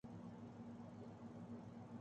جمہوری قدریں مضبوط ہوں۔